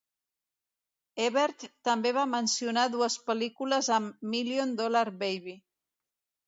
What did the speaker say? Ebert també va mencionar dues pel·lícules amb "Million Dollar Baby".